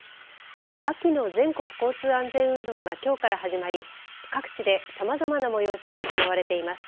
秋の全国交通安全運動がきょうから始まり各地で、さまざまな催しが行われています。